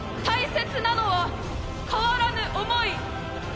大切なのは変わらぬ想い。